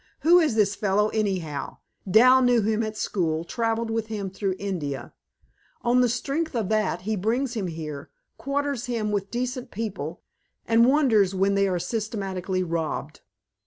Who is this fellow, anyhow? Dal knew him at school, traveled with him through India. On the strength of that he brings him here, quarters him with decent people, and wonders when they are systematically robbed!"